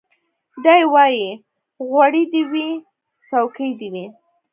دی وايي غوړي دي وي څوکۍ دي وي